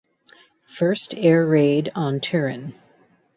First air raid on Turin.